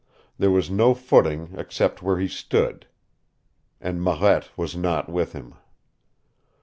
There was no footing except where he stood. And Marette was not with him.